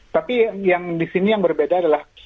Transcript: tapi yang disini yang berbeda adalah